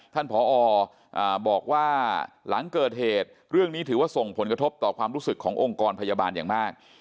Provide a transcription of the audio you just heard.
ผอบอกว่าหลังเกิดเหตุเรื่องนี้ถือว่าส่งผลกระทบต่อความรู้สึกขององค์กรพยาบาลอย่างมาก